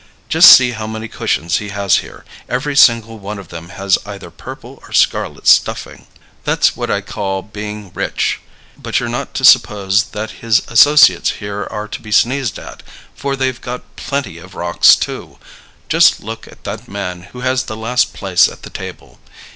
Just see how many cushions he has here. Every single one of them has either purple or scarlet stuffing. That's what I call being rich. But you're not to suppose that his associates here are to be sneezed at, for they've got plenty of rocks too. Just look at that man who has the last place at the table.